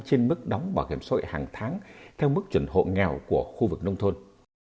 trên mức đóng bảo hiểm xuất hàng tháng theo mức chuẩn hộ nghèo của khu vực nông thôn